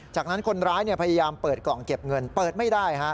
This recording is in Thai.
จากนั้นคนร้ายพยายามเปิดกล่องเก็บเงินเปิดไม่ได้